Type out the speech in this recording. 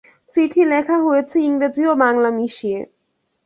চিঠি লেখা হয়েছে ইংরেজি ও বাংলা মিশিয়ে।